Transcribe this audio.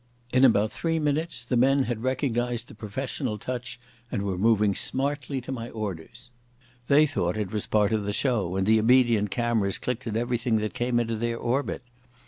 In about three minutes the men had recognised the professional touch and were moving smartly to my orders. They thought it was part of the show, and the obedient cameras clicked at everything that came into their orbit.